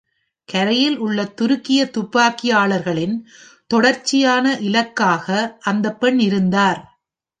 கரையில் உள்ள துருக்கிய துப்பாக்கியாளர்களின் தொடர்ச்சியான இலக்காக அந்தப் பெண் இருந்தார்.